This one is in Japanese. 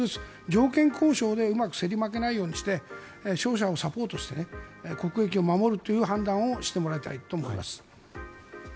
条件交渉でうまく競り負けないようにして商社をサポートして国益を守るという判断をしてもらいたいと思います。